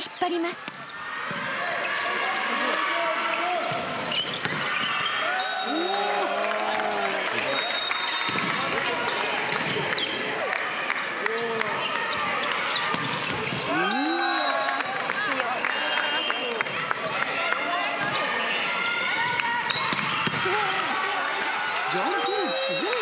すごい。